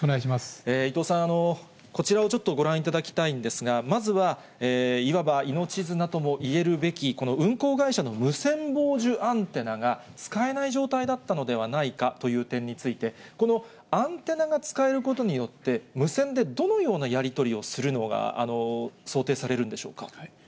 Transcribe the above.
伊藤さん、こちらをちょっとご覧いただきたいんですが、まずは、いわば命綱ともいえるべきこの運航会社の無線傍受アンテナが使えない状態だったのではないかという点について、このアンテナが使えることによって、無線でどのようなやり取りをするのが想定されるんでしょうか。